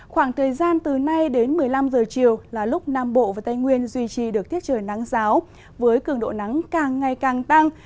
một mươi năm h chiều là lúc nam bộ và tây nguyên duy trì được thiết trời nắng ráo với cường độ nắng càng ngày càng tăng